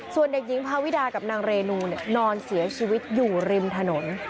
ส่วนเด็กหญิงพาวิดากับนางเรนูนอนเสียชีวิตอยู่ริมถนน